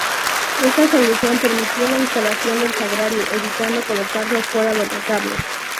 Esta solución permitió la instalación del Sagrario, evitando colocarlo fuera del retablo.